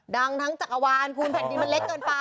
ดังทั้งจักรวาลภูมิแผ่นดินมันเล็กเกินไป